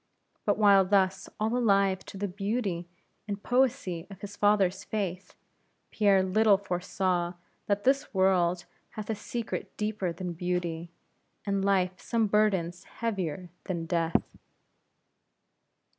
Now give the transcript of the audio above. But while thus all alive to the beauty and poesy of his father's faith, Pierre little foresaw that this world hath a secret deeper than beauty, and Life some burdens heavier than death.